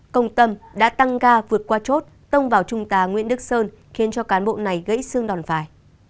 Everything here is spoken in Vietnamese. công tâm đã tăng ga vượt qua chốt tông vào trung tá nguyễn đức sơn khiến cho cán bộ này gãy xương đòn phải